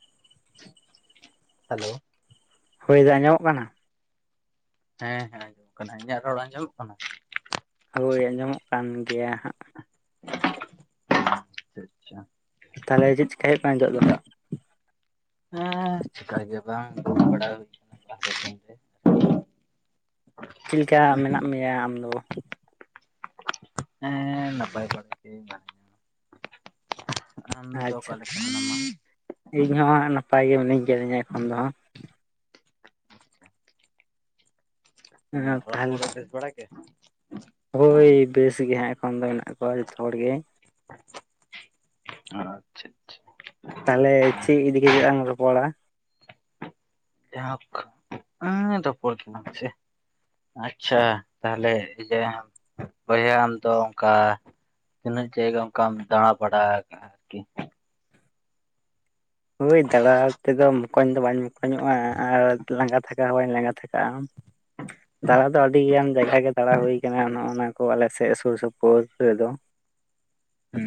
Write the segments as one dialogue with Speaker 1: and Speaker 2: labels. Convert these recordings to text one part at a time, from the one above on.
Speaker 1: [inaudible] Hello.
Speaker 2: ᱦᱳᱭ ᱫᱟ ᱟᱸᱡᱚᱢᱚᱜ ᱠᱟᱱᱟ?
Speaker 1: ᱦᱮᱸ ᱦᱮᱸ ᱟᱸᱚᱢ ᱠᱟᱱᱟ᱾ ᱤᱧᱟᱹᱜ ᱨᱚᱲ ᱟᱸᱡᱚᱢᱚᱜ ᱠᱟᱱᱟ?
Speaker 2: ᱦᱳᱭ ᱟᱸᱡᱚᱢᱚᱜ ᱠᱟᱱ ᱜᱮᱭᱟ ᱦᱟᱸᱜ
Speaker 1: [inaudible] ᱟᱪᱪᱷᱟ ᱟᱪᱪᱷᱟ᱾
Speaker 2: ᱛᱟᱦᱚᱞᱮ ᱪᱮᱫ ᱪᱮᱠᱟᱭ ᱦᱩᱭᱩᱜ ᱠᱟᱱᱟ ᱱᱤᱛᱚᱜ ᱫᱚ?
Speaker 1: ᱦᱮᱸ, ᱪᱤᱠᱟ ᱜᱮ ᱵᱟᱝ ᱜᱚᱲᱩᱵ ᱵᱟᱲᱟ ᱦᱩᱭ ᱜᱟᱛᱮᱹ ᱠᱟᱹᱧ ᱯᱮ ᱾
Speaker 2: ᱪᱮᱫ ᱞᱮᱠᱟ ᱢᱮᱱᱟᱜ ᱢᱮᱭᱟ ᱟᱢᱫᱚ?
Speaker 1: ᱮᱸᱻ, ᱱᱟᱯᱟᱭ ᱵᱟᱲᱟ ᱜᱮ [unintelligible] ᱟᱢ ᱫᱚ
Speaker 2: ᱟᱪᱪᱷᱟ
Speaker 1: ᱚᱠᱟᱞᱮᱠᱟ ᱢᱮᱱᱟᱢᱟ?
Speaker 2: ᱤᱧ ᱦᱚᱸ ᱦᱟᱸᱜ ᱱᱟᱯᱟᱭ ᱜᱮ ᱢᱤᱱᱟᱹᱧ ᱠᱟᱹᱫᱤᱧᱟ ᱮᱠᱷᱚᱱ ᱫᱚ ᱦᱟᱸᱜ᱾
Speaker 1: ᱦᱮᱸ
Speaker 2: ᱦᱟᱸᱜ
Speaker 1: ᱚᱲᱟᱜ
Speaker 2: ᱛᱟᱦᱚᱞᱮ
Speaker 1: ᱠᱚᱨᱮ ᱵᱮᱥ ᱵᱟᱲᱟ?
Speaker 2: ᱦᱳᱭ ᱵᱮᱥ ᱜᱮ ᱦᱟᱸᱜ ᱮᱠᱷᱚᱱ ᱫᱚ ᱢᱮᱱᱟᱜ ᱠᱚᱣᱟ ᱡᱚᱛᱚ ᱦᱚᱲᱜᱮ,
Speaker 1: ᱟ-ᱨᱨ ᱪᱷᱮ ᱾
Speaker 2: ᱛᱟᱦᱚᱞᱮ ᱪᱮᱫ ᱤᱫᱤ ᱠᱟᱛᱮ ᱞᱟᱝ ᱨᱚᱯᱚᱲᱟ?
Speaker 1: ᱡᱟᱦᱳᱠ ᱨᱚᱯᱚᱲ ᱛᱟᱞᱟᱝ ᱢᱮᱥᱮ ᱟᱪᱪᱷᱟ ᱛᱟᱦᱞᱮ ᱤᱭᱟᱹ ᱵᱚᱭᱦᱟ ᱟᱢ ᱫᱚ ᱚᱱᱠᱟ ᱛᱤᱱᱟᱹ ᱡᱟᱭᱜᱟ ᱚᱱᱠᱟᱢ ᱫᱟᱲᱟ ᱵᱟᱲᱟᱠᱟᱜ ᱟᱨᱠᱤ?
Speaker 2: ᱦᱳᱭ ᱫᱟᱬᱟ ᱛᱮᱫᱚ ᱢᱚᱠᱚᱧ ᱫᱚ ᱵᱟᱹᱧ ᱢᱚᱠᱚᱧᱚᱜᱼᱟ ᱟᱨ ᱞᱟᱸᱜᱟ ᱛᱷᱟᱠᱟᱣ ᱦᱚᱸ ᱵᱟᱹᱧ ᱞᱟᱸᱜᱟ ᱛᱷᱟᱠᱟᱜᱼᱟ᱾ ᱫᱟᱬᱟ ᱫᱚ ᱟᱹᱰᱤᱜᱟᱱ ᱡᱟᱭᱜᱟ ᱜᱮ ᱫᱟᱬᱟ ᱦᱩᱭ ᱠᱟᱱᱟ ᱱᱚᱜᱼ ᱱᱚᱣᱟ ᱠᱚ ᱟᱞᱮ ᱥᱮᱫ ᱥᱩᱨ ᱥᱩᱯᱩᱨ ᱨᱮᱫᱚ, [inaudible]
Speaker 1: ᱦᱮᱸ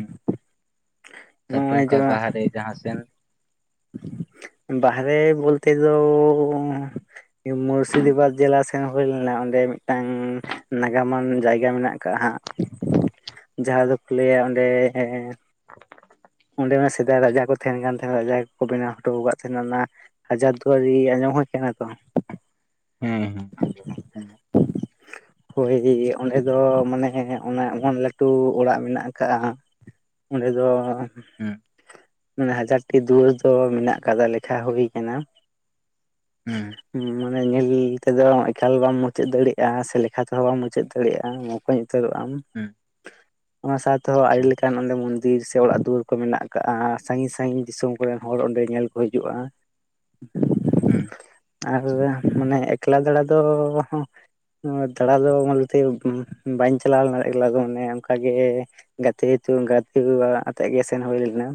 Speaker 1: ᱛᱟᱯᱚᱨᱮ
Speaker 2: ᱱᱚᱜᱼᱚᱭ ᱡᱮ
Speaker 1: ᱚᱱᱠᱟ ᱵᱟᱦᱮ ᱡᱟᱦᱟᱸ ᱥᱮᱱ?
Speaker 2: ᱵᱟᱦᱨᱮ ᱵᱚᱞᱛᱮ ᱫᱚ ᱢᱩᱨᱥᱤᱫᱟᱵᱟᱫᱽ ᱡᱮᱞᱟ ᱥᱮᱱ ᱦᱩᱭ ᱞᱮᱱᱟ ᱚᱸᱰᱮ ᱢᱤᱫᱴᱟᱝ ᱱᱟᱜᱟᱢᱟᱱ ᱡᱟᱭᱜᱟ ᱢᱮᱱᱟᱜ ᱟᱠᱟᱫ ᱦᱟᱜ ᱡᱟᱦᱟᱸ ᱫᱚᱠᱚ ᱞᱟᱹᱭᱟ ᱚᱸᱰᱮ
Speaker 1: [inaudible]
Speaker 2: ᱚᱸᱰᱮ ᱚᱱᱟ ᱥᱮᱫᱟᱭ ᱨᱟᱡᱟ ᱠᱚ ᱛᱟᱦᱮᱱ ᱠᱟᱱ ᱛᱟᱦᱮᱱᱟ ᱨᱟᱡᱟ ᱠᱚᱠᱚ ᱵᱮᱱᱟᱣ ᱦᱚᱴᱚ ᱟᱠᱟᱫ ᱛᱟᱦᱮᱱᱟ ᱚᱱᱟ ᱦᱟᱡᱟᱨ ᱫᱩᱣᱟᱨᱤ ᱟᱸᱡᱚᱢ ᱦᱚᱸ ᱠᱟᱱᱟ ᱛᱚ?
Speaker 1: ᱦᱮᱸ ᱦᱮᱸ
Speaker 2: [unintelligible] ᱦᱳᱭ ᱚᱸᱰᱮ ᱫᱚ ᱢᱟᱱᱮ ᱚᱱᱟ ᱮᱢᱚᱱ ᱞᱟᱹᱴᱩ ᱚᱲᱟᱜ ᱢᱮᱱᱟᱜ ᱟᱠᱟᱟᱜᱼᱟ ᱚᱸᱰᱮ ᱫᱚ ᱢᱟᱱᱮ ᱦᱟᱡᱟᱨᱴᱤ ᱫᱩᱣᱟᱹᱨ ᱫᱚ ᱢᱮᱱᱟᱜ ᱠᱟᱫᱟ ᱞᱮᱠᱷᱟ ᱦᱩᱭ ᱠᱟᱱᱟ, ᱦᱩᱸ ᱢᱟᱱᱮ ᱧᱮᱞ ᱛᱮᱫᱚ ᱮᱠᱟᱞ ᱵᱟᱢ ᱢᱩᱪᱟᱹᱫ ᱫᱟᱲᱮᱭᱟᱜᱼᱟ ᱥᱮ ᱞᱮᱠᱷᱟ ᱛᱮᱦᱚᱸ ᱵᱟᱢ ᱢᱩᱪᱟᱹᱫ ᱫᱟᱲᱮᱭᱟᱜᱼᱟ ᱢᱚᱠᱚᱧ ᱩᱛᱟᱹᱨᱚᱜᱼᱟᱢ᱾
Speaker 1: ᱦᱮᱸ
Speaker 2: ᱚᱱᱟ ᱥᱟᱶᱛᱮᱦᱚᱸ ᱟᱹᱰᱤ ᱞᱮᱠᱟᱱ ᱢᱚᱱᱫᱤᱨ ᱥᱮ ᱚᱲᱟᱜ ᱫᱩᱣᱟᱹᱨ ᱠᱚ ᱢᱮᱱᱟᱜ ᱠᱟᱜᱼᱟ ᱥᱟᱺᱜᱤᱧ ᱥᱟᱺᱜᱤᱧ ᱫᱤᱥᱚᱢ ᱠᱚᱨᱮᱱ ᱦᱚᱲ ᱚᱸᱰᱮ ᱧᱮᱞ ᱠᱚ ᱦᱤᱡᱩᱜᱼᱟ,
Speaker 1: ᱦᱮᱸ
Speaker 2: ᱟᱨ ᱢᱟᱱᱮ ᱮᱠᱞᱟ ᱫᱟᱬᱟ ᱫᱚ ᱫᱟᱬᱟ ᱫᱚ ᱚᱱᱛᱮ ᱵᱟᱹᱧ ᱪᱟᱞᱟᱣ ᱞᱮᱱᱟ ᱮᱠᱟᱞᱟ ᱫᱚ ᱢᱟᱱᱮ ᱚᱱᱠᱟᱜᱮ ᱜᱟᱛᱮ ᱜᱟᱛᱮ ᱠᱚ ᱟᱛᱮᱫ ᱜᱮ ᱥᱮᱱ ᱦᱩᱭ ᱞᱮᱱᱟ᱾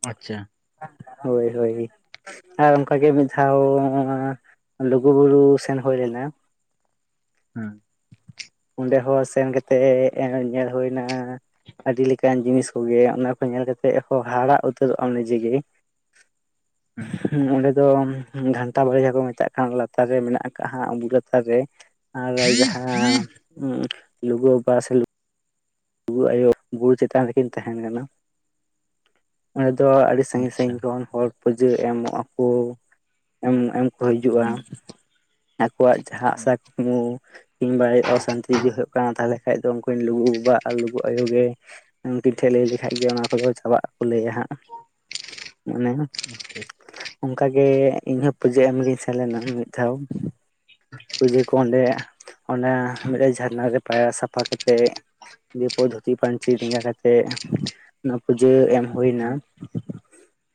Speaker 1: ᱟᱪᱪᱷᱟ
Speaker 2: ᱦᱳᱭ ᱦᱳᱭ ᱟᱨ ᱚᱱᱠᱟᱟᱜᱮ ᱢᱤᱫ ᱫᱷᱟᱣ ᱞᱩᱜᱩᱵᱩᱨᱩ ᱥᱮᱱ ᱦᱩᱭ ᱞᱮᱱᱟ, [unintelligible]
Speaker 1: ᱦᱮᱸ
Speaker 2: ᱚᱸᱰᱮ ᱦᱚᱸ ᱥᱮᱱ ᱠᱟᱛᱮᱮᱫ ᱧᱮᱞ ᱦᱩᱭᱱᱟ ᱟᱹᱰᱤ ᱞᱮᱠᱟᱱ ᱡᱤᱱᱤᱥ ᱠᱚᱜᱮ ᱚᱱᱟ ᱠᱚ ᱧᱮᱞ ᱠᱟᱛᱮᱫ ᱦᱚᱸ ᱦᱟᱦᱲᱟ ᱩᱛᱟᱹᱨᱚᱜᱼᱟᱢ ᱱᱤᱡᱮ ᱜᱮ
Speaker 1: ᱦᱮᱸ
Speaker 2: [inaudible] ᱚᱸᱰᱮ ᱫᱚ ᱜᱷᱟᱱᱴᱟ ᱵᱟᱲᱮ ᱡᱟᱦᱟᱸ ᱠᱚ ᱢᱮᱛᱟᱜ ᱠᱟᱱ ᱞᱟᱛᱟᱨ ᱨᱮ ᱢᱮᱱᱟᱜ ᱠᱟᱜ ᱵᱩᱨᱩ ᱞᱟᱛᱟᱨ ᱨᱮ ᱟᱨ ᱡᱟᱦᱟᱸ ᱞᱩᱜᱩ ᱵᱟᱵᱟ ᱥᱮ ᱞᱩᱜᱩ ᱟᱭᱳ ᱵᱩᱨᱩ ᱪᱮᱛᱟᱱ ᱨᱮᱠᱤᱱ ᱛᱟᱦᱮᱱ ᱠᱟᱱᱟ ᱚᱸᱰᱮ ᱫᱚ ᱟᱹᱰᱤ ᱥᱟᱺᱜᱤᱧ
Speaker 1: ᱟᱪᱪᱷᱟ
Speaker 2: ᱥᱟᱺᱜᱤᱧ ᱠᱷᱚᱱ ᱦᱚᱲ ᱯᱩᱡᱟᱹ ᱮᱢᱚᱜ ᱟᱠᱚ ᱮᱢ ᱮᱢ ᱠᱚ ᱦᱤᱡᱩᱜᱼᱟ᱾
Speaker 1: ᱦᱮᱸ ᱟᱪᱪᱷᱟ
Speaker 2: ᱟᱠᱚᱣᱟᱜ ᱡᱟᱦᱟᱸ ᱟᱥᱟ ᱠᱩᱠᱢᱩ ᱠᱤᱱᱵᱟ ᱚᱥᱟᱱᱛᱤ ᱡᱩᱫᱤ ᱦᱳᱭᱳᱜ ᱠᱟᱱᱟ ᱛᱟᱦᱚᱞᱮ ᱠᱷᱟᱡ ᱫᱚ ᱩᱱᱤᱱ ᱞᱩᱜᱩ ᱵᱟᱵᱟᱣᱟᱜ ᱟᱨ ᱞᱩᱜᱩ ᱟᱭᱳ ᱜᱮ ᱩᱱᱠᱤᱱ ᱴᱷᱮᱱ ᱞᱟᱹᱭ ᱞᱮᱠᱷᱟᱡ ᱜᱮ ᱚᱱᱟ ᱠᱚᱫᱚ ᱪᱟᱵᱟᱜ ᱟ-ᱠᱚ ᱞᱟᱹᱭᱟ ᱦᱟᱸᱜ ᱢᱟᱱᱮ
Speaker 1: [unintelligible]
Speaker 2: ᱚᱱᱠᱟᱜᱮ ᱤᱧᱦᱚᱸ ᱯᱩᱡᱟᱹ ᱮᱢᱜᱤᱧ ᱥᱮᱱ ᱞᱮᱱᱟ ᱢᱤᱫ ᱫᱷᱟᱣ ᱯᱩᱡᱟᱹ ᱠᱚ ᱚᱸᱰᱮ ᱚᱱᱟᱸ ᱢᱤᱫᱴᱮᱡ ᱡᱷᱟᱨᱱᱟ ᱨᱮ ᱯᱟᱭᱨᱟ ᱥᱟᱯᱷᱟ ᱠᱟᱛᱮᱫ ᱫᱤᱭᱟᱹᱯᱚᱨ ᱫᱷᱩᱛᱤ ᱯᱟᱟᱹᱧᱪᱤ ᱰᱮᱜᱟ ᱠᱟᱛᱮᱜ ᱚᱱᱟ ᱯᱩᱡᱟᱹ ᱮᱢ ᱦᱩᱭ ᱮᱱᱟ
Speaker 1: ᱦᱮᱸ ᱦᱮᱸ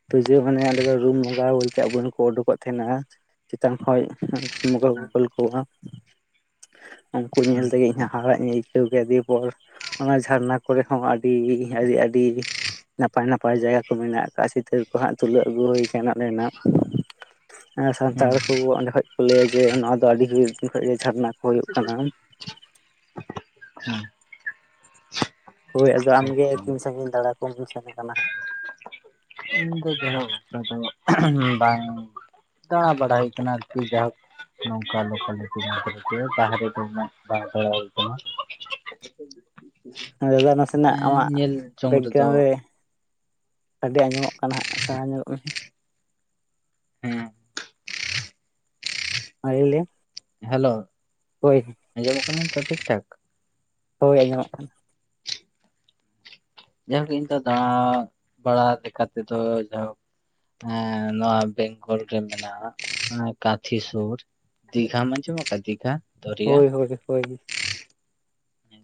Speaker 2: ᱯᱩᱡᱳ ᱢᱟᱱᱮ ᱚᱸᱰᱮ ᱫᱚ ᱨᱩᱢ ᱵᱚᱸᱜᱟ ᱵᱚᱞᱛᱮ [unintelligible] ᱠᱚ ᱩᱰᱩᱠᱚᱜ ᱛᱟᱦᱮᱱᱟ ᱪᱮᱛᱟᱝ ᱠᱷᱚᱱ ᱵᱚᱸᱜᱟ ᱠᱚ ᱠᱳᱞ ᱠᱚᱼᱟ ᱩᱱᱠᱩ
Speaker 1: ᱟᱪᱪᱷᱟ
Speaker 2: ᱧᱮᱞ ᱛᱮᱜᱮ ᱤᱧᱟ ᱦᱚ ᱦᱟᱦᱟᱲᱟᱜ ᱤᱧ ᱟᱹᱭᱠᱟᱹᱣ ᱠᱮᱫᱟ ᱫᱤᱭᱮᱯᱚᱨ ᱚᱱᱟ ᱡᱷᱟᱨᱱᱟ ᱠᱚᱨᱮ ᱦᱚᱸ ᱟᱹᱰᱤ ᱟᱹᱰᱤ ᱟᱹᱰᱤ ᱱᱟᱯᱟᱭ ᱱᱟᱯᱟᱭ ᱡᱟᱭᱜᱟ ᱠᱚ ᱢᱮᱱᱟᱜ ᱟᱠᱟᱫ ᱪᱤᱛᱟᱹᱨ ᱠᱚ ᱦᱟᱸᱜ ᱛᱩᱞᱟᱹᱣ ᱟᱹᱜᱩ ᱦᱩᱭ ᱠᱟᱱᱟ ᱚᱸᱰᱮᱱᱟᱜ ᱥᱟᱱᱛᱟᱲ ᱠᱚ ᱚᱸᱰᱮ ᱠᱷᱚᱡ ᱠᱚ ᱞᱟᱹᱭᱟ ᱡᱮ ᱱᱚᱣᱟ ᱫᱚ ᱟᱹᱰᱤ ᱫᱤᱱ ᱠᱷᱚᱱ ᱜᱮ ᱡᱷᱟᱨᱱᱟ ᱠᱚ ᱦᱩᱭᱩᱜ ᱠᱟᱱᱟ ᱦᱳᱭ ᱟᱫᱚ ᱟᱢᱜᱮ
Speaker 1: ᱟᱪᱪᱷᱟ
Speaker 2: ᱛᱤᱱ ᱥᱟᱺᱜᱤᱧ ᱫᱟᱬᱟ ᱠᱚᱢ ᱥᱮᱱ ᱟᱠᱟᱱᱟ ᱦᱟᱸᱜ
Speaker 1: ᱤᱧ ᱫᱚ ᱡᱟᱭᱦᱳᱠ ᱚᱱᱠᱟ ᱫᱚ ᱵᱟᱝ ᱫᱟᱬᱟ ᱵᱟᱲᱟ ᱦᱩᱭ ᱠᱟᱱᱟ ᱟᱨᱠᱤ ᱡᱟᱭᱦᱳᱠ ᱱᱚᱝᱠᱟ ᱞᱚᱠᱟᱞ [unintelligible] ᱵᱟᱦᱨᱮ ᱫᱚ ᱩᱱᱟᱹᱜ ᱵᱟᱝ ᱫᱟᱬᱟ ᱦᱩᱭ ᱟᱠᱟᱱᱟ
Speaker 2: ᱫᱟᱫᱟ ᱱᱟᱥᱮᱱᱟᱜ ᱟᱢᱟᱜ
Speaker 1: ᱮᱸ ᱧᱮᱞ ᱡᱚᱝ ᱨᱮᱫᱚ
Speaker 2: ᱵᱮᱠᱜᱨᱟᱣᱩᱱᱰ ᱨᱮ ᱟᱹᱰᱤ ᱟᱸᱡᱚᱢᱚᱜ ᱠᱟᱱᱟ ᱦᱟᱸᱜ ᱥᱟᱦᱟ ᱧᱮᱞᱚᱜ ᱢᱮ
Speaker 1: ᱦᱮᱸ
Speaker 2: ᱟᱨ [unintelligible]
Speaker 1: ᱦᱮᱞᱳ ᱟᱸᱡᱚᱢᱚᱜ ᱠᱟᱱᱟ ᱛᱚ ᱴᱷᱤᱠ ᱴᱷᱟᱠ
Speaker 2: ᱦᱳᱭ ᱟᱸᱡᱚᱢᱚᱜ ᱠᱟᱱᱟ
Speaker 1: ᱡᱟᱭᱦᱳᱠ ᱤᱧ ᱫᱚ ᱫᱟᱬᱟ ᱵᱟᱲᱟ ᱞᱮᱠᱟ ᱛᱮᱫᱚ ᱡᱟᱭᱦᱳᱠ ᱦᱮᱸ ᱱᱚᱣᱟ ᱵᱮᱝᱜᱚᱞ ᱨᱮ ᱢᱮᱱᱟᱜᱼᱟ ᱠᱟᱛᱷᱤ ᱥᱩᱨ ᱫᱤᱜᱷᱟᱢ ᱟᱡᱚᱢ ᱟᱠᱟᱫᱟ ᱫᱤᱜᱷᱟ ᱫᱚᱨᱭᱟ
Speaker 2: ᱦᱳᱭ ᱦᱳᱭ ᱦᱳᱭ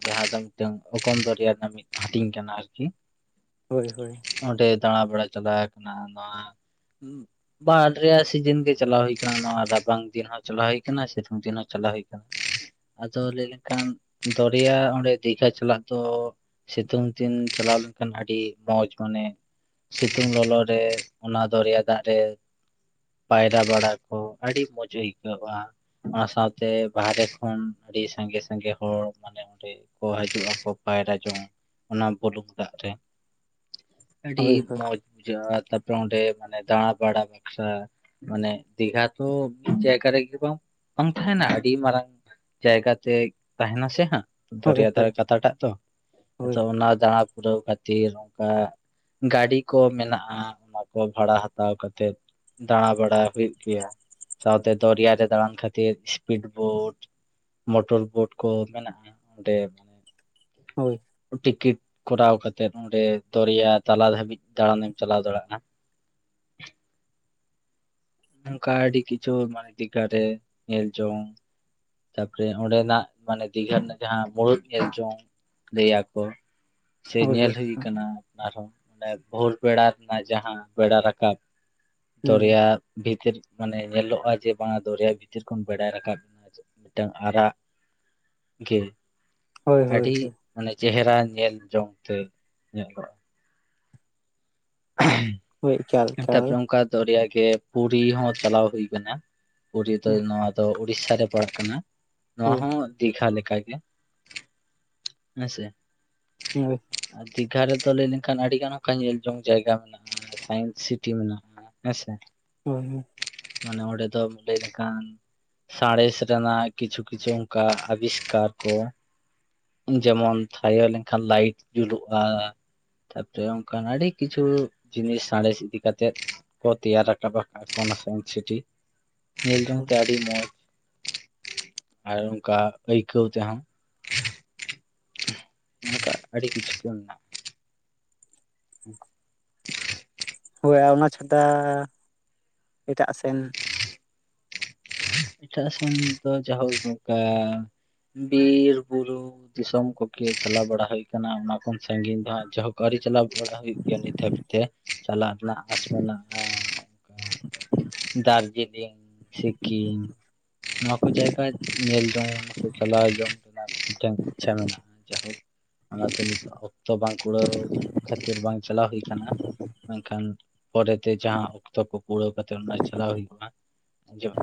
Speaker 1: ᱡᱟᱦᱟᱸ ᱫᱚ ᱢᱤᱫᱴᱟᱝ ᱚᱜᱚᱱ ᱫᱚᱨᱭᱟ ᱨᱮᱱᱟᱝ ᱢᱤᱫ ᱦᱟᱹᱴᱤᱧ ᱠᱟᱱᱟ ᱟᱨᱠᱤ
Speaker 2: ᱦᱳᱭ ᱦᱳᱭ
Speaker 1: ᱚᱸᱰᱮ ᱫᱟᱬᱟ ᱵᱟᱲᱟ ᱪᱟᱞᱟᱣ ᱟᱠᱟᱱᱟ ᱟᱫᱚ ᱦᱟᱸᱜ ᱵᱟᱨ ᱨᱮᱭᱟᱜ ᱥᱤᱡᱤᱱ ᱜᱮ ᱪᱟᱞᱟᱣ ᱦᱩᱭ ᱟᱠᱟᱱᱟ ᱱᱚᱣᱟ ᱨᱟᱵᱟᱝ ᱫᱤᱱ ᱦᱚᱸ ᱪᱟᱞᱟᱣ ᱦᱩᱭ ᱟᱠᱟᱱᱟ ᱥᱤᱛᱩᱝ ᱫᱤᱱ ᱦᱚᱸ ᱪᱟᱞᱟᱣ ᱦᱩᱭ ᱟᱠᱟᱱᱟ ᱟᱫᱚ ᱞᱟᱹᱭ ᱞᱮᱱᱠᱷᱟᱱ ᱫᱚᱨᱭᱟ ᱚᱸᱰᱮ ᱫᱤᱜᱷᱟ ᱪᱟᱞᱟᱜ ᱫᱚ ᱥᱤᱛᱩᱝ ᱫᱤᱱ ᱪᱟᱞᱟᱣ ᱞᱮᱱᱠᱷᱟᱱ ᱟᱹᱰᱤ ᱢᱚᱸᱡᱽ ᱢᱟᱱᱮ ᱥᱤᱛᱩᱝ ᱞᱚᱞᱚ ᱨᱮ ᱚᱱᱟ ᱫᱚᱨᱭᱟ ᱫᱟᱜ ᱨᱮ ᱯᱟᱭᱨᱟ ᱵᱟᱲᱟ ᱠᱚ ᱟᱹᱰᱤ ᱢᱚᱡᱽ ᱟᱹᱭᱠᱟᱹᱜᱼᱟ ᱚᱱᱟ ᱥᱟᱶᱛᱮ ᱵᱟᱦᱨᱮ ᱠᱷᱚᱱ ᱟᱹᱰᱤ ᱥᱟᱸᱜᱮ ᱥᱟᱸᱜᱮ ᱦᱚᱲ ᱢᱟᱱᱮ ᱚᱸᱰᱮ ᱠᱚ ᱦᱤᱡᱩᱜᱼᱟᱠᱚ ᱯᱟᱭᱨᱟ ᱡᱚᱝᱼᱟ ᱚᱱᱟ ᱵᱩᱞᱩᱝ ᱫᱟᱜ ᱨᱮ
Speaker 2: [unintelligible]
Speaker 1: ᱟᱹᱰᱤ
Speaker 2: ᱦᱳᱭ
Speaker 1: ᱢᱚᱸᱡᱽ ᱵᱩᱡᱷᱟᱹᱜᱼᱟ ᱛᱟᱨᱯᱚᱨ ᱚᱸᱰᱮ ᱢᱟᱱᱮ ᱫᱟᱬᱟ ᱵᱟᱲᱟ ᱵᱮᱥᱟ ᱢᱟᱱᱮ ᱫᱤᱜᱷᱟ ᱛᱚ ᱢᱤᱫ ᱡᱟᱭᱜᱟ ᱨᱮᱜᱮ ᱵᱟᱝ ᱵᱟᱝ ᱛᱟᱦᱮᱱᱟ ᱟᱹᱰᱤ ᱢᱟᱨᱟᱝ ᱡᱟᱭᱜᱟ ᱛᱮ ᱛᱟᱦᱮᱱᱟ ᱥᱮ
Speaker 2: ᱦᱳᱭ
Speaker 1: ᱫᱚᱨᱭᱟ
Speaker 2: ᱦᱳᱭ
Speaker 1: ᱫᱷᱟᱨᱮ ᱠᱟᱛᱷᱟᱴᱟᱜ ᱛᱚ ᱟᱫᱚ
Speaker 2: ᱦᱳᱭ
Speaker 1: ᱚᱱᱟ ᱫᱟᱬᱟ ᱯᱩᱨᱟᱹᱣ ᱠᱷᱟᱹᱛᱤᱨ ᱚᱱᱠᱟ ᱜᱟᱹᱰᱤ ᱠᱚ ᱢᱮᱱᱟᱜᱼᱟ ᱚᱱᱟ ᱠᱚ ᱵᱷᱟᱲᱟ ᱦᱟᱛᱟᱣ ᱠᱟᱛᱮᱫ ᱫᱟᱬᱟ ᱵᱟᱲᱟ ᱦᱩᱭᱩᱜ ᱜᱮᱭᱟ ᱥᱟᱶᱛᱮ ᱫᱚᱨᱭᱟ ᱨᱮ ᱫᱟᱬᱟᱱ ᱠᱷᱟᱹᱛᱤᱨ ᱤᱥᱯᱤᱰ ᱵᱳᱴ ᱢᱚᱴᱚᱨ ᱵᱳᱴ ᱠᱚ ᱢᱮᱱᱟᱜᱼᱟ ᱚᱸᱰᱮ
Speaker 2: ᱦᱳᱭ
Speaker 1: ᱴᱤᱠᱤᱴ ᱠᱚᱨᱟᱣ ᱠᱟᱛᱮᱜ ᱚᱸᱰᱮ ᱫᱚᱨᱭᱟ ᱛᱟᱞᱟ ᱫᱷᱟᱹᱵᱤᱡ ᱫᱟᱬᱟᱱᱮᱢ ᱪᱟᱞᱟᱣ ᱫᱟᱲᱮᱭᱟᱜᱼᱟ ᱚᱱᱠᱟ ᱟᱰᱤ ᱠᱤᱪᱦᱩ ᱢᱟᱱᱮ ᱫᱤᱜᱦᱟ ᱨᱮ ᱧᱮᱞ ᱡᱚᱝ ᱛᱟᱯᱚᱨᱮ ᱚᱸᱰᱮᱱᱟᱜ ᱢᱟᱱᱮ ᱫᱤᱜᱷᱟ ᱨᱮᱱᱟᱜ ᱡᱟᱦᱟᱸ ᱢᱩᱲᱩᱫ ᱧᱮᱞ ᱡᱚᱝ ᱞᱟᱹᱭ ᱟᱠᱚ ᱥᱮ
Speaker 2: ᱦᱳᱭ
Speaker 1: ᱧᱮᱞ
Speaker 2: ᱦᱳᱭ
Speaker 1: ᱦᱩᱭ ᱟᱠᱟᱱᱟ ᱟᱯᱱᱟᱨ ᱦᱚᱸ ᱢᱟᱱᱮ ᱵᱷᱳᱨ ᱵᱮᱲᱟ ᱨᱮᱱᱟᱜ ᱡᱟᱦᱟᱸ ᱵᱮᱲᱟ ᱨᱟᱠᱟᱵ
Speaker 2: ᱦᱩᱸ
Speaker 1: ᱫᱚᱨᱭᱟ ᱵᱷᱤᱛᱤᱨ ᱢᱟᱱᱮ ᱧᱮᱞᱚᱜᱼᱟ ᱡᱮ ᱵᱟᱝ ᱫᱚᱨᱭᱟ ᱵᱷᱤᱛᱤᱨ ᱠᱷᱚᱱ ᱵᱮᱲᱟᱭ ᱨᱟᱠᱟᱵ ᱢᱤᱫᱴᱟᱝ ᱟᱨᱟᱜ ᱜᱮ
Speaker 2: ᱦᱳᱭ ᱦᱳᱭ
Speaker 1: ᱟᱹᱰᱤ
Speaker 2: ᱦᱳᱭ
Speaker 1: ᱢᱟᱱᱮ ᱪᱮᱦᱨᱟ ᱧᱮᱞ ᱡᱚᱝᱛᱮ ᱧᱮᱞᱚᱜᱼᱟ
Speaker 2: ᱦᱳᱭ ᱮᱠᱟᱞ ᱮᱠᱟᱞ
Speaker 1: ᱛᱟᱨᱯᱚᱨᱮ ᱚᱱᱠᱟ ᱫᱚᱨᱭᱟ ᱜᱮ ᱯᱩᱨᱤ ᱦᱚᱸ ᱪᱟᱞᱟᱣ ᱦᱩᱭ ᱟᱠᱟᱱᱟ ᱯᱩᱨᱤ ᱫᱚ
Speaker 2: ᱦᱳᱭ
Speaker 1: ᱱᱚᱣᱟ ᱫᱚ ᱩᱲᱤᱥᱥᱟ ᱨᱮ ᱯᱟᱲᱟᱜ ᱠᱟᱱᱟ ᱱᱚᱣᱟ
Speaker 2: ᱦᱳᱭ
Speaker 1: ᱦᱚᱸ ᱫᱤᱜᱷᱟ ᱞᱮᱠᱟ ᱜᱮ ᱦᱮᱸ ᱥᱮ
Speaker 2: [unintelligible]
Speaker 1: ᱟᱨ ᱫᱤᱜᱷᱟ ᱨᱮᱫᱚ ᱞᱟᱹᱭ ᱞᱮᱱᱠᱷᱟᱱ ᱟᱹᱰᱤ ᱜᱟᱱ ᱚᱱᱠᱟ ᱧᱮᱞ ᱡᱚᱝ ᱡᱟᱭᱜᱟ ᱢᱮᱱᱟᱜᱼᱟ ᱥᱟᱭᱮᱱᱥ ᱥᱤᱴᱤ ᱢᱮᱱᱟᱜᱼᱟ ᱦᱮᱸ ᱥᱮ
Speaker 2: ᱦᱚᱭ ᱦᱚᱭ
Speaker 1: ᱢᱟᱱᱮ ᱚᱸᱰᱮ ᱫᱚᱢ ᱞᱟᱹᱭ ᱞᱮᱠᱷᱟᱱ ᱥᱟᱬᱮᱥ ᱨᱮᱱᱟᱜ ᱠᱤᱪᱷᱩ - ᱠᱤᱪᱷᱩ ᱚᱱᱠᱟ ᱟᱵᱤᱥᱠᱟᱨ ᱠᱚ ᱡᱮᱢᱚᱱ ᱛᱷᱟᱭᱚ ᱞᱮᱠᱷᱟᱱ ᱞᱟᱭᱤᱴ ᱡᱩᱞᱩᱜᱼᱟ, ᱛᱟᱯᱚᱨᱮ ᱚᱱᱠᱟᱱ ᱟᱹᱰᱤ ᱠᱤᱪᱷᱩ ᱡᱤᱱᱤᱥ ᱥᱟᱬᱮᱥ ᱤᱫᱤ ᱠᱟᱛᱮᱜ ᱠᱚ ᱛᱮᱭᱟᱨ ᱨᱟᱠᱟᱵ ᱟᱠᱟᱫᱟ ᱚᱱᱟ ᱥᱤᱴᱤ ᱧᱮᱞ ᱡᱚᱝ ᱛᱮ ᱟᱹᱰᱤ ᱢᱚᱸᱡᱽ ᱟᱨ ᱚᱱᱠᱟ ᱟᱹᱭᱠᱟᱹᱣ ᱛᱮᱦᱚ ᱱᱚᱝᱠᱟ ᱟᱹᱰᱤ ᱠᱤᱪᱷᱩ ᱢᱮᱱᱟ [inaudible]
Speaker 2: ᱦᱳᱭ ᱚᱱᱟ ᱪᱷᱟᱰᱻᱟ ᱮᱴᱟᱜ ᱥᱮᱱ
Speaker 1: ᱮᱴᱟᱜ ᱥᱮᱱ ᱫᱚ ᱡᱟᱭᱦᱳᱠ ᱱᱚᱱᱠᱟ ᱵᱤᱨ - ᱵᱩᱨᱩ ᱫᱤᱥᱚᱢ ᱠᱚᱜᱮ ᱪᱟᱞᱟᱣ ᱵᱟᱲᱟ ᱦᱩᱭ ᱟᱠᱟᱱᱟ ᱚᱱᱟ ᱠᱷᱚᱱ ᱥᱟᱺᱜᱤᱧ ᱫᱚ ᱦᱟᱸᱜ ᱡᱟᱦᱟᱸ ᱟᱹᱣᱨᱤ ᱪᱟᱞᱟᱣ [unintelligible] ᱦᱩᱭᱩᱜ ᱜᱮᱭᱟ ᱱᱤᱛ ᱫᱷᱟᱹᱵᱤᱡ ᱛᱮ, ᱪᱟᱞᱟᱜ ᱨᱮᱱᱟᱜ ᱦᱟᱜ ᱫᱟ [unintelligible]
Speaker 2: [inaudible]
Speaker 1: ᱫᱟᱨᱡᱤᱞᱤᱝ ᱥᱤᱠᱤᱢ ᱱᱚᱣᱟᱠᱚ ᱡᱟᱭᱜᱟ ᱧᱮᱞ [unintelligible] ᱪᱟᱞᱟᱣ ᱡᱚᱢ ᱨᱮᱱᱟᱜ ᱢᱤᱫᱴᱟᱝ ᱤᱪᱪᱷᱟᱹ ᱢᱮᱱᱟᱜᱼᱟ᱾ ᱡᱟᱭᱦᱳᱠ ᱚᱱᱟ ᱛᱮ ᱱᱤᱛᱚᱜ ᱚᱠᱛᱚ ᱵᱟᱝ ᱠᱩᱲᱟᱹᱣ ᱠᱷᱟᱹᱛᱤᱨ ᱵᱟᱝ ᱪᱟᱞᱟᱣ ᱦᱩᱭ ᱠᱟᱱᱟ᱾ ᱢᱮᱱᱠᱷᱟᱱ ᱯᱚᱨᱮᱛᱮ ᱡᱟᱦᱟᱸ ᱚᱠᱛᱚ ᱠᱚ ᱯᱩᱨᱟᱹᱣ ᱠᱟᱛᱮᱫ ᱚᱱᱟ ᱪᱟᱞᱟᱣ ᱦᱩᱭᱩᱜᱼᱟ᱾ ᱟᱸᱡᱚᱢ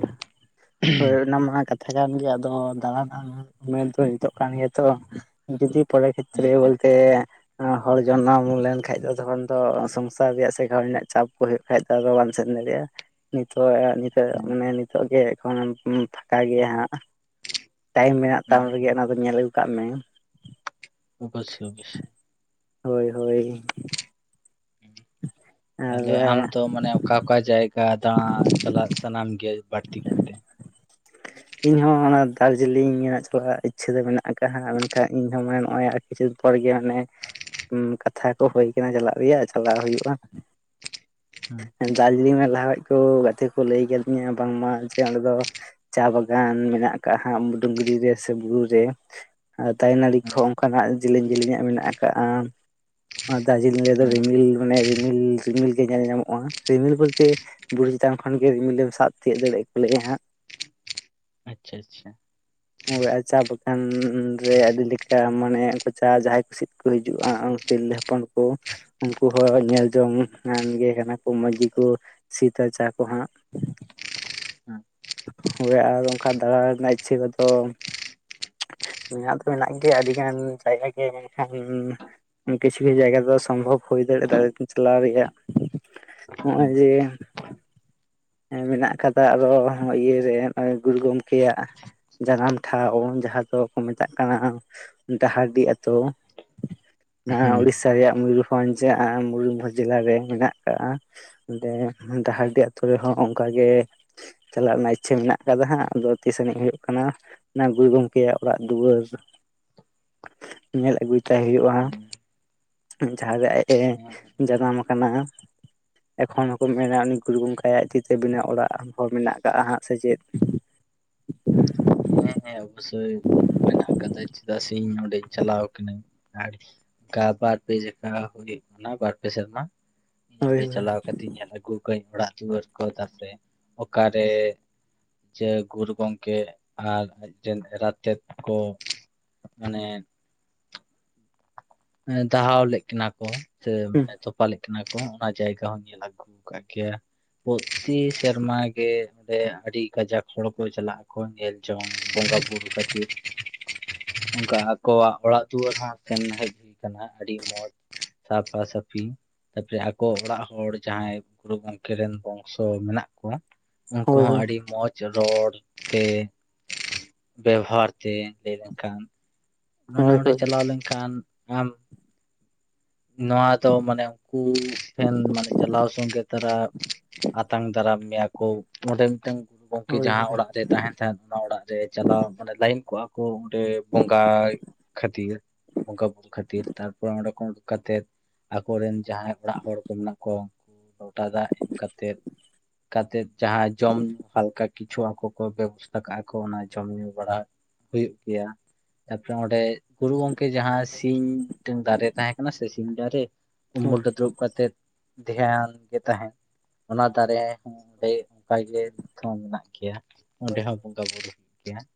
Speaker 2: ᱦᱳᱭ ᱚᱱᱟ ᱢᱟ ᱠᱟᱛᱷᱟ ᱠᱟᱱ ᱜᱮᱭᱟ ᱟᱫᱚ ᱫᱟᱬᱟ ᱱᱟᱜ ᱢᱮᱱ [unintelligible] ᱱᱤᱛᱚᱜ ᱠᱟᱱ ᱜᱮᱭᱟ ᱛᱚ ᱡᱩᱫᱤ ᱯᱚᱲᱟ
Speaker 1: ᱦᱮᱸ
Speaker 2: ᱠᱦᱮᱛᱨᱮ
Speaker 1: ᱦᱮᱸ
Speaker 2: ᱵᱚᱞᱛᱮ ᱦᱚᱲ ᱡᱚᱱᱚᱢ ᱞᱮᱱᱠᱷᱟᱡ ᱫᱚ ᱛᱚᱠᱷᱚᱱ ᱫᱚ, ᱥᱚᱝᱥᱟᱨ ᱨᱮᱭᱟᱜ ᱥᱮᱸ ᱠᱟᱢᱤ ᱨᱮᱱᱟᱜ ᱪᱟᱸᱯ ᱯᱩᱨᱟ ᱠᱷᱟᱡ ᱫᱚ ᱟᱫᱚ ᱵᱟᱢ ᱥᱮᱱ ᱫᱟᱲᱮᱭᱟᱜᱼᱟ᱾ ᱱᱤᱛᱚᱜ ᱱᱤᱛᱚᱜ
Speaker 1: ᱦᱮᱸ
Speaker 2: ᱢᱟᱱᱮ ᱱᱤᱛᱚᱜ ᱜᱮ ᱮᱠᱷᱚᱱ ᱯᱷᱟᱠᱟ ᱜᱮᱭᱟ ᱦᱟᱸᱜ ᱴᱟᱭᱤᱢ ᱢᱮᱱᱟᱜ ᱛᱟᱢ ᱨᱮᱜᱮ
Speaker 1: ᱦᱮᱸ
Speaker 2: ᱚᱱᱟ ᱫᱚ ᱧᱮᱞ ᱟᱹᱜᱩ ᱠᱟᱜ ᱢᱮ
Speaker 1: ᱚᱵᱚᱥᱚ - ᱚᱵᱚᱥᱚ ᱾
Speaker 2: ᱦᱳᱭ- ᱦᱳᱭ ᱟᱨ
Speaker 1: ᱛᱟᱦᱚᱞᱮ ᱟᱢ ᱫᱚ ᱢᱟᱱᱮ ᱚᱠᱟ ᱚᱠᱟ ᱡᱟᱭᱜᱟ ᱫᱟᱬᱟ ᱪᱟᱞᱟᱜ ᱥᱟᱱᱟᱢ ᱜᱮ ᱵᱟᱹᱲᱛᱤ ᱠᱟᱭᱛᱮ?
Speaker 2: [inaudible] ᱤᱧ ᱦᱚᱸᱚᱸ ᱚᱱᱟ ᱫᱟᱨᱡᱤᱞᱤᱝ ᱜᱮᱱᱟᱼᱜ ᱪᱟᱞᱟᱜ ᱤᱪᱷᱟᱹ ᱫᱚ ᱢᱮᱱᱟᱜ ᱟᱠᱟᱫᱼᱦᱟᱸᱜ, ᱢᱮᱱᱠᱷᱟᱱ ᱤᱧᱦᱚᱸ ᱢᱟᱱᱮ ᱱᱚᱜ ᱠᱤᱪᱷᱩ ᱯᱚᱨ ᱜᱮ ᱱᱮᱜ ᱮ ᱠᱟᱛᱷᱟ ᱠᱚ ᱦᱳ ᱠᱟᱱᱟ ᱪᱟᱞᱟᱜ ᱨᱮᱭᱟᱜ, ᱪᱟᱞᱟᱜ ᱦᱩᱭᱩᱜᱼᱟ᱾ [inaudible]
Speaker 1: ᱦᱚᱸ
Speaker 2: ᱫᱟᱨᱡᱤᱞᱤᱝ ᱨᱮ ᱞᱟᱣᱮᱛ ᱠᱚ ᱜᱟᱛᱮ ᱠᱚ ᱞᱟᱹᱭ ᱟᱠᱟᱫᱤᱧᱟ, ᱵᱟᱝᱢᱟ ᱡᱮ ᱚᱸᱰᱮ ᱫᱚ ᱪᱟ ᱵᱟᱜᱟᱱ ᱢᱮᱱᱟᱜ ᱠᱟᱼᱟ, ᱦᱟᱸᱜ ᱰᱩᱝᱨᱤ ᱨᱮ ᱥᱮ ᱵᱩᱨᱩ ᱨᱮ ᱟᱨ ᱫᱟᱨᱮᱱᱟᱹᱲᱤ ᱠᱚᱦᱚᱸ
Speaker 1: ᱦᱮᱸ
Speaker 2: ᱚᱱᱠᱟᱱᱟᱼ ᱜ ᱡᱮᱞᱤᱧ - ᱡᱤᱞᱤᱧ ᱧᱟᱜ ᱢᱮᱱᱟᱜ ᱟᱠᱟᱟᱜᱼᱟ᱾ ᱟᱨ ᱫᱟᱨᱡᱤᱞᱤᱝ ᱨᱮᱫᱚ ᱢᱟᱱᱮ ᱨᱤᱢᱤᱞ ᱢᱟᱱᱮ ᱨᱤᱢᱤᱞ ᱨᱤᱢᱤᱞ ᱜᱮ ᱧᱮᱞ ᱧᱟᱢᱚᱜᱼᱟ, ᱨᱤᱢᱤᱞ ᱵᱚᱞᱛᱮ ᱵᱩᱨᱩ ᱪᱮᱛᱟᱱ ᱠᱷᱚᱱ ᱜᱮ ᱨᱤᱢᱤᱞ ᱮᱢ ᱥᱟᱵ ᱛᱤᱭᱳᱜ ᱫᱟᱲᱮᱭᱟᱜᱼᱟ ᱠᱚ ᱞᱟᱹᱭ ᱦᱟᱸᱜ
Speaker 1: ᱟᱪᱷᱟ - ᱟᱪᱷᱟ
Speaker 2: ᱚ ᱪᱟ ᱵᱟᱜᱟᱱ ᱨᱮ ᱟᱹᱰᱤ ᱞᱮᱠᱟ ᱢᱟᱱᱮ ᱩᱱᱠᱩ ᱪᱟ ᱡᱟᱦᱟᱸᱭ ᱠᱩ ᱥᱤᱫ ᱠᱚ ᱦᱤᱡᱩᱜᱼᱟ ᱛᱤᱨᱞᱟᱹ ᱦᱚᱯᱚᱱ ᱠᱚ ᱩᱱᱠᱩ ᱦᱚᱸ ᱧᱮᱞ ᱡᱚᱝ ᱟᱱ ᱜᱮ ᱠᱟᱱᱟ ᱠᱚ ᱢᱚᱡᱽ ᱜᱮᱠᱚ ᱥᱤᱛᱟᱹ ᱪᱟ ᱠᱚ ᱦᱟᱸᱜ ᱦᱳᱭ ᱟᱨ ᱚᱱᱠᱟ ᱫᱟᱬᱟ ᱨᱮᱱᱟᱜ ᱤᱪᱷᱟᱹ ᱠᱚᱫᱚ ᱢᱮᱱᱟᱜ ᱫᱚ ᱢᱮᱱᱟᱜ ᱜᱮᱭᱟ, ᱟᱹᱰᱤᱜᱟᱱ ᱡᱟᱭᱜᱟ ᱜᱮ ᱢᱮᱱᱠᱷᱟᱱ ᱠᱤᱪᱷᱩ ᱠᱤ ᱡᱟᱭᱜᱟ ᱫᱚ ᱥᱚᱢᱵᱷᱚᱵ ᱦᱩᱭ ᱫᱟᱲᱮᱭᱟᱜᱼᱟ᱾ ᱫᱟᱲᱮ ᱛᱤᱧ ᱪᱟᱞᱟᱣ ᱨᱮᱭᱟᱜ
Speaker 1: ᱦᱮᱸ
Speaker 2: ᱱᱚᱜᱼᱚᱭ ᱡᱮ ᱮᱸ ᱢᱮᱱᱟᱜ ᱠᱟᱫᱟ ᱟᱫᱚ ᱤᱭᱟᱹᱨᱮ ᱱᱚᱜᱚ-ᱭ ᱜᱩᱨᱩ ᱜᱚᱝᱠᱮᱭᱟᱜ ᱡᱟᱱᱟᱢ ᱴᱷᱟᱶ ᱳᱢ ᱡᱟᱦᱟᱸ ᱫᱚ ᱠᱚ ᱢᱮᱛᱟᱜ ᱠᱟᱱᱟ ᱰᱟᱦᱟᱨᱰᱤ ᱟᱹᱛᱩ ᱚᱱᱟ
Speaker 1: ᱦᱮᱸ
Speaker 2: ᱩᱲᱤᱥᱟ ᱨᱮᱭᱟᱜ ᱢᱚᱭᱩᱨᱵᱷᱚᱸᱡᱽ ᱢᱚᱭᱩᱨᱵᱷᱚᱸᱡᱽ ᱡᱮᱞᱟ ᱨᱮ ᱢᱮᱱᱟᱜ ᱠᱟᱜ-ᱟ᱾ ᱚᱸᱰᱮ ᱰᱟᱦᱟᱨᱰᱤ ᱟᱹᱛᱩ ᱠᱚ ᱦᱚᱸ ᱚᱝᱠᱟ ᱜᱮ ᱪᱟᱞᱟᱜ ᱨᱮᱱᱟᱜ ᱤᱪᱷᱟᱹ ᱢᱮᱱᱟᱜ ᱟᱠᱟᱫᱟ ᱦᱟᱸᱜ, ᱟᱫᱚ ᱛᱤᱥ ᱟᱱᱤᱡ ᱦᱩᱭᱩᱜ ᱠᱟᱱᱟ ᱚᱱᱟ ᱜᱩᱨᱩ ᱜᱚᱝᱠᱮᱭᱟᱼᱜ ᱚᱲᱟᱜ ᱫᱩᱣᱟᱹᱨ ᱧᱮᱞ ᱟᱹᱜᱩᱭ ᱛᱟᱭ ᱦᱩᱭᱩᱜᱼᱟ᱾ ᱡᱟᱦᱟᱸ ᱨᱮ ᱟᱡᱽ ᱮ
Speaker 1: ᱦᱮᱸ
Speaker 2: ᱡᱟᱱᱟᱢ ᱟᱠᱟᱱᱟ ᱮᱠᱷᱚᱱ ᱦᱚᱸᱠᱚ ᱢᱮᱱᱟ ᱩᱱᱤ ᱜᱩᱨᱩ [unintelligible] ᱜᱚᱝᱠᱮ ᱭᱟᱜ ᱛᱤᱛᱮ ᱵᱤᱱᱟᱹ ᱚᱲᱟᱜ ᱦᱚᱸ ᱢᱮᱱᱟᱜ ᱠᱟᱜᱼᱟ ᱦᱟᱸᱜ ᱥᱮ ᱪᱮᱫ
Speaker 1: ᱦᱮᱸ ᱦᱮᱸ ᱚᱵᱚᱥᱳᱭ ᱢᱮᱱᱟᱜ ᱟᱠᱟᱫᱟ, ᱪᱮᱫᱟᱜ ᱥᱮ ᱤᱧ ᱱᱚᱸᱰᱮᱧ ᱪᱟᱞᱟᱣ ᱟᱠᱟᱱᱟᱹᱧ᱾ ᱟᱨ ᱠᱟ ᱵᱟᱨ ᱯᱮ ᱡᱮᱠᱟ ᱦᱩᱭᱩᱜ ᱠᱟᱱᱟ ᱵᱟᱨ ᱯᱮ ᱥᱮᱨᱢᱟ ᱤᱧ
Speaker 2: ᱦᱳᱭ
Speaker 1: ᱚᱰᱮ
Speaker 2: ᱦᱳᱭ
Speaker 1: ᱪᱟᱞᱟᱣ ᱠᱟᱛᱮ ᱤᱧ ᱧᱮᱞ ᱟᱹᱜᱩ ᱠᱟᱹᱡ ᱚᱲᱟᱜ ᱫᱩᱣᱟᱹᱨ ᱠᱚ ᱛᱟᱥᱮ ᱚᱠᱟᱨᱮ ᱡᱮ ᱜᱩᱨᱩ ᱜᱚᱝᱠᱮ ᱟᱨ ᱟᱡᱨᱤᱱ ᱮᱨᱟᱛᱮᱫ ᱠᱚ ᱢᱟᱱᱮ ᱫᱟᱦᱟᱣ ᱞᱮᱫ ᱠᱤᱱᱟ ᱠᱚ ᱥᱮ ᱢᱟᱱᱮ ᱛᱚᱯᱟ ᱞᱮᱫ ᱠᱤᱱᱟ ᱚᱱ ᱠᱚ ᱚᱱᱟ ᱡᱟᱭᱜᱟ ᱦᱚᱸ ᱧᱮᱞ ᱟᱹᱜᱩ [unintelligible] ᱠᱟᱜ ᱜᱮᱭᱟ ᱯᱩᱨᱛᱤ ᱥᱮᱨᱢᱟ ᱜᱮ ᱚᱸᱰᱮ ᱟᱹᱰᱤ ᱠᱟᱡᱟᱠ ᱦᱚᱲ ᱠᱚ ᱪᱟᱞᱟᱜ ᱟᱠᱚ ᱧᱮᱞ ᱪᱚᱝ ᱵᱚᱸᱜᱟ ᱵᱩᱨᱩ ᱠᱷᱟᱹᱛᱤᱨ ᱚᱝᱠᱟ ᱟᱠᱚᱣᱟᱜ ᱚᱲᱟᱜ ᱫᱩᱣᱟᱹᱨ ᱦᱚᱸ ᱥᱮᱱ ᱦᱮᱡᱽ ᱟᱠᱟᱱᱟ ᱟᱹᱰᱤ ᱢᱚᱸᱡᱽ, ᱥᱟᱯᱟ ᱥᱟᱹᱯᱷᱤ ᱛᱟᱯᱚᱨᱮ ᱟᱠᱚ ᱚᱲᱟᱜ ᱦᱚᱲ ᱡᱟᱦᱟᱸᱭ ᱜᱩᱨᱩ ᱜᱚᱝᱠᱮ ᱨᱮᱱ ᱵᱚᱝᱥᱚ ᱢᱮᱱᱟᱜ ᱠᱚᱣᱟ ᱩᱝᱠᱩ
Speaker 2: ᱦᱳᱭ
Speaker 1: ᱦᱚᱸ ᱟᱹᱰᱤ ᱢᱚᱡᱽ ᱨᱚᱲ ᱛᱮ ᱵᱮᱵᱚᱦᱟᱨ ᱛᱮ ᱞᱟᱹᱭ ᱞᱮᱱᱠᱷᱟᱱ ᱢᱟᱱᱮ
Speaker 2: ᱦᱳᱭ
Speaker 1: ᱚᱸᱰᱮ
Speaker 2: ᱦᱳᱭ
Speaker 1: ᱪᱟᱞᱟᱣ ᱞᱮᱱᱠᱷᱟᱱ ᱟᱢ ᱱᱚᱣᱟ ᱫᱚ ᱢᱟᱱᱮ [unintelligible] [unintelligible] ᱯᱷᱮᱱ ᱢᱟᱱᱮ ᱪᱟᱞᱟᱣ ᱥᱚᱸᱜᱮ ᱛᱟᱨᱟ ᱟᱛᱟᱝ ᱫᱟᱨᱟᱢ ᱢᱮᱭᱟ ᱠᱚ ᱚᱸᱰᱮ ᱢᱤᱫᱴᱟᱹᱝ ᱜᱚᱝᱠᱮ
Speaker 2: ᱦᱳᱭ
Speaker 1: ᱡᱟᱦᱟᱸ
Speaker 2: ᱦᱳᱭ
Speaker 1: ᱚᱲᱟᱜ ᱨᱮ ᱛᱟᱦᱮᱱ ᱛᱟᱦᱮᱫ ᱚᱱᱟ ᱚᱲᱟᱜ ᱨᱮ ᱪᱟᱞᱟᱣ, ᱢᱟᱱᱮ ᱞᱟᱭᱤᱱ ᱠᱚᱜᱼᱟ ᱠᱚ ᱚᱸᱰᱮ ᱵᱚᱸᱜᱟᱭ ᱠᱷᱟᱹᱛᱤᱨ ᱵᱚᱸᱜᱟ ᱵᱩᱨᱩ ᱠᱷᱟᱹᱛᱤᱨ ᱛᱟᱨᱯᱚᱨᱮ ᱚᱸᱰᱮ ᱠᱷᱚᱱ ᱩᱰᱩᱠ ᱠᱟᱛᱮᱫ ᱟᱠᱚᱨᱮᱱ ᱡᱟᱦᱟᱸᱭ ᱚᱲᱟᱜ ᱦᱚᱲ ᱠᱚ ᱢᱮᱱᱟᱜ ᱠᱚᱣᱟ ᱞᱚᱴᱟ ᱫᱟᱜ ᱠᱟᱛᱮᱫ ᱠᱟᱛᱮᱫ ᱡᱟᱦᱟᱸ ᱡᱚᱢ ᱦᱟᱞᱠᱟ ᱠᱤᱪᱷᱩ ᱟᱠᱚ ᱠᱚ ᱵᱮᱵᱚᱥᱛᱷᱟ ᱠᱟᱜᱼᱟ ᱠᱚ ᱚᱱᱟ ᱡᱚᱢ ᱧᱩ ᱵᱟᱲᱟ ᱦᱩᱭᱩᱜ ᱜᱮᱭᱟ ᱛᱟᱯᱚᱨᱮ ᱚᱸᱰᱮ, ᱜᱩᱨᱩ ᱜᱚᱝᱠᱮ ᱡᱟᱦᱟᱸ ᱥᱤᱧ ᱢᱤᱫᱴᱟᱝ ᱫᱟᱨᱮ ᱛᱟᱦᱮᱸ ᱠᱟᱱᱟ ᱥᱮ ᱥᱤᱧ ᱫᱟᱨᱮ ᱩᱢᱩᱞ
Speaker 2: ᱦᱳᱭ
Speaker 1: ᱨᱮ ᱫᱩᱲᱩᱵ, ᱠᱟᱛᱮ ᱫᱷᱮᱭᱟᱱ ᱜᱮ ᱛᱟᱦᱮᱱ ᱚᱱᱟ ᱫᱟᱨᱮ ᱦᱚᱸ ᱚᱸᱰᱮ ᱱᱟᱯᱟᱭ ᱜᱮ ᱦᱚᱸ ᱢᱮᱱᱟᱜ ᱜᱮᱭᱟ ᱚᱸᱰᱮ ᱦᱚᱸ ᱵᱚᱸᱜᱟ ᱵᱩᱨᱩ ᱦᱩᱭᱩᱜ ᱜᱮᱭᱟ ᱾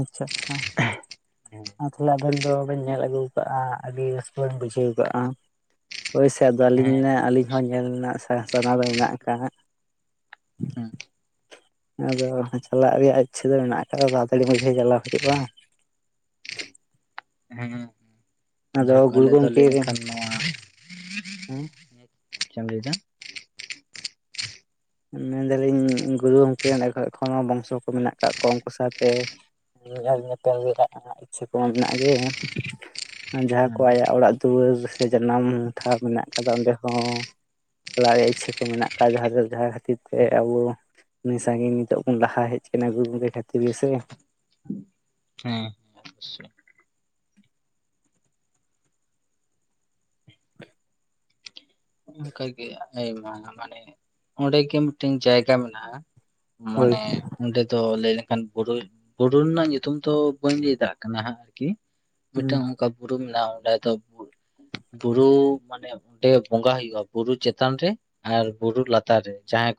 Speaker 2: ᱟᱪᱷᱟ ᱟᱪᱷᱟ,
Speaker 1: ᱦᱮᱸ [inaudible]
Speaker 2: [unintelligible] ᱟᱨ ᱛᱟᱦᱚᱞᱮ [unintelligible] ᱟᱵᱮᱱ ᱫᱚ ᱵᱤᱱ ᱧᱮᱞ ᱟᱹᱜᱩ ᱟᱠᱟᱫ-ᱟ ᱟᱹᱰᱤ ᱨᱟᱹᱥᱠᱟᱹ ᱵᱤᱱ ᱵᱩᱡᱷᱟᱹᱣ ᱟᱠᱟᱫ-ᱟ ᱦᱳᱭ ᱥᱮ ᱟᱫᱚ
Speaker 1: ᱦᱮᱸ
Speaker 2: ᱟᱹᱞᱤᱧ
Speaker 1: ᱦᱮᱸ
Speaker 2: ᱟᱹᱞᱤᱧ ᱦᱚᱸ
Speaker 1: ᱚᱵᱚᱥᱥᱳᱭ
Speaker 2: ᱧᱮᱞ ᱨᱮᱱᱟᱜ ᱥᱟᱱᱟ ᱫᱚ ᱢᱮᱱᱟᱜ ᱟᱠᱟᱫ-ᱟ ᱾ ᱟᱫᱚ ᱪᱟᱞᱟᱜ ᱨᱮᱭᱟᱜ ᱤᱪᱷᱟᱹ ᱫᱚ ᱢᱮᱱᱟᱜ ᱟᱠᱟᱫᱟ, [unintelligible] ᱛᱟᱲᱟᱛᱟᱲᱤ ᱢᱚᱫᱽᱫᱷᱮ ᱜᱮ ᱪᱟᱞᱟᱣ ᱦᱩᱭᱩᱜ-ᱟ
Speaker 1: ᱦᱮᱸ
Speaker 2: ᱟᱫᱚ
Speaker 1: ᱡᱭᱦᱩᱠ
Speaker 2: ᱜᱩᱨᱩ
Speaker 1: ᱟᱞᱮ ᱫᱚ
Speaker 2: ᱜᱚᱝᱠᱮ
Speaker 1: ᱞᱟᱹᱭ
Speaker 2: ᱦᱮᱸ
Speaker 1: ᱞᱮᱠᱷᱟᱱ ᱱᱚᱣᱟ [unintelligible] ᱪᱮᱫ ᱮᱢ ᱞᱟᱹᱭ ᱮᱫᱟ
Speaker 2: ᱢᱮᱱ ᱮᱫᱟᱞᱤᱧ ᱜᱩᱨᱩ ᱜᱚᱢᱠᱮ [unintelligible] ᱠᱷᱚᱱ ᱦᱚᱸ ᱵᱚᱝᱥᱚ ᱠᱚ ᱢᱮᱱᱟᱜ ᱟᱠᱟᱫ ᱠᱚᱣᱟ ᱩᱱᱠᱩ ᱥᱟᱶᱛᱮ [unintelligible] [inaudible] ᱧᱮᱞ ᱧᱮᱯᱮᱞ ᱨᱮᱭᱟᱜ ᱤᱪᱪᱷᱟᱹ ᱠᱚᱦᱚᱸ ᱢᱮᱱᱟᱜ ᱜᱮᱭᱟ ᱡᱟᱦᱟᱸ ᱠᱚ
Speaker 1: ᱦᱮᱸ
Speaker 2: ᱟᱭᱟᱜ ᱚᱲᱟᱜ ᱫᱩᱣᱟᱹᱨ ᱥᱮ ᱡᱟᱱᱟᱢ ᱴᱷᱟᱶ ᱢᱮᱱᱟᱜ ᱟᱠᱟᱫᱟ ᱚᱸᱰᱮ ᱦᱚᱸ, ᱪᱟᱞᱟᱣ ᱨᱮᱭᱟᱜ ᱤᱪᱷᱟᱹ ᱠᱚ ᱢᱮᱱᱟᱜ ᱟᱠᱟᱫᱟ ᱡᱟᱦᱟᱸ ᱫᱚ ᱡᱟᱦᱟᱸ, [unintelligible] ᱠᱷᱟᱹᱛᱤᱨ ᱛᱮ ᱟᱵᱚ ᱥᱟᱸᱜᱤᱧ ᱱᱤᱛᱚᱜ ᱵᱚᱱ ᱞᱟᱦᱟ ᱦᱮᱡ ᱟᱠᱟᱱᱟ ᱜᱩᱨᱩ ᱜᱚᱢᱠᱮ ᱠᱷᱟᱹᱛᱤᱨ ᱜᱮ ᱥᱮ
Speaker 1: ᱦᱮᱸ [inaudible] [inaudible]
Speaker 2: [inaudible] [inaudible]
Speaker 1: ᱚᱱᱠᱟ ᱜᱮ ᱟᱭᱢᱟ ᱢᱟᱱᱮ ᱚᱸᱰᱮ ᱜᱮ ᱢᱤᱫᱴᱟᱝ ᱡᱟᱭᱜᱟ ᱢᱮᱱᱟᱜ-ᱟ ᱾
Speaker 2: ᱦᱳᱭ
Speaker 1: ᱢᱚᱱᱮ, ᱚᱸᱰᱮ ᱫᱚ ᱞᱟᱹᱭ ᱞᱮᱠᱷᱟᱱ ᱵᱩᱨᱩ ᱵᱩᱨᱩ ᱨᱮᱱᱟᱜ ᱧᱩᱛᱩᱢ ᱫᱚ ᱵᱟᱹᱧ ᱞᱟᱹᱭ ᱫᱟᱲᱮᱭᱟᱜ ᱠᱟᱱᱟ ᱦᱟᱸᱜ ᱟᱨᱠᱤ,
Speaker 2: ᱦᱩᱸ
Speaker 1: ᱢᱤᱫᱴᱟᱝ ᱚᱱᱠᱟ ᱵᱩᱨᱩ ᱢᱮᱱᱟᱜ-ᱟ, ᱚᱸᱰᱮ ᱫᱚ ᱵᱩᱨᱩ ᱢᱟᱱᱮ ᱚᱸᱰᱮ ᱵᱚᱸᱜᱟ ᱦᱩᱭᱩᱜ-ᱟ ᱾ ᱵᱩᱨᱩ ᱪᱮᱛᱟᱱ ᱨᱮ ᱟᱨ ᱵᱩᱨᱩ ᱞᱟᱛᱟᱨ ᱨᱮ ᱡᱟᱦᱟᱸᱭ